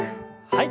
はい。